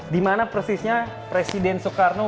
di mana presiden soekarno